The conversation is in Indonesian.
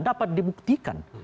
dapat dibuktikan